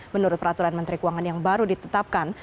menurut peraturan menteri keuangan yang baru ditetapkan